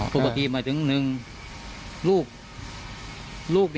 ปกติหมายถึงลูก